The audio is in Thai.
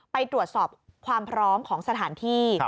ไปตรวจสอบความพร้อมของสถานที่